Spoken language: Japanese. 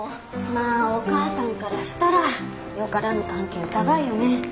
まあお母さんからしたらよからぬ関係疑うよね。